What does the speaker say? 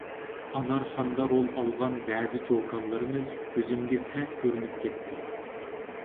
«ئانارخان»دا رول ئالغان بەزى چوكانلىرىمىز كۆزۈمگە سەت كۆرۈنۈپ كەتتى.